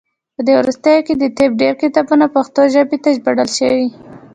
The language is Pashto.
په دې وروستیو کې د طب ډیری کتابونه پښتو ژبې ته ژباړل شوي دي.